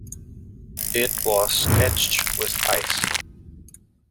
It was edged with ice.